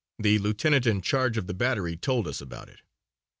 The lieutenant in charge of the battery told us about it.